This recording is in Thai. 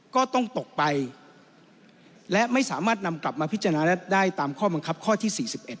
ก็ต้องตกไปและไม่สามารถนำกลับมาพิจารณาได้ตามข้อบังคับข้อที่๔๑